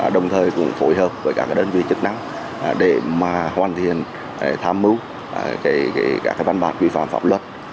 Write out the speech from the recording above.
đối hợp với các đơn vị chức năng để hoàn thiện tham mưu các văn bản vi phạm pháp luật